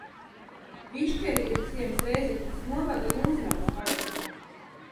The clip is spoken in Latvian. Višķeri ir ciems Rēzeknes novada Lūznavas pagastā.